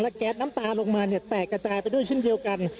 แก๊สน้ำตาลงมาเนี่ยแตกกระจายไปด้วยเช่นเดียวกัน